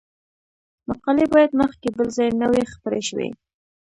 مقالې باید مخکې بل ځای نه وي خپرې شوې.